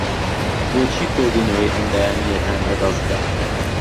بۆچی کۆبوونەوەی ئەم بەیانییەتان لەدەست دا؟